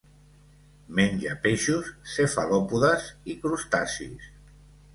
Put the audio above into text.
Menja peixos, cefalòpodes i crustacis.